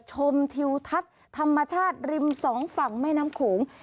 ชมทิวทัศน์ธรรมชาติริมสองฝั่งแม่น้ำโขง